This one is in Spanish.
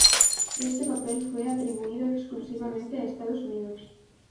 Este papel fue atribuido exclusivamente a Estados Unidos.